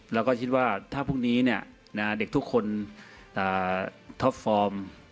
แล้วก็คิดว่าถ้าพรุ่งนี้เด็กทุกคนท็อปฟอร์ม